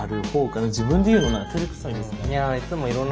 自分で言うのてれくさいですね。